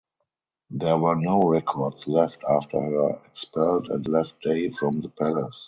There were no records left after her expelled and left day from the palace.